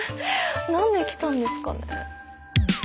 何で来たんですかね？